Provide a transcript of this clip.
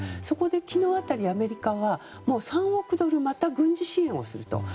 そこで昨日辺りアメリカは３億ドルまた軍事支援をすると。